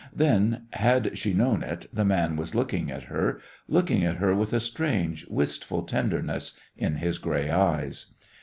Then, had she known it, the man was looking at her, looking at her with a strange, wistful tenderness in his gray eyes.